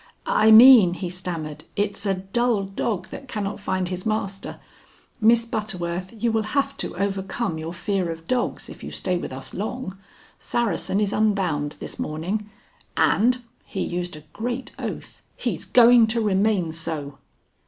"I mean," he stammered, "it's a dull dog that cannot find his master. Miss Butterworth, you will have to overcome your fear of dogs if you stay with us long. Saracen is unbound this morning, and" he used a great oath "he's going to remain so."